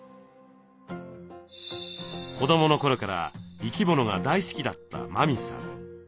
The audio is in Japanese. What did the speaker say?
子どもの頃から生き物が大好きだった麻美さん。